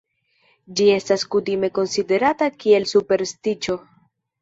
Ĝi estas kutime konsiderata kiel superstiĉo.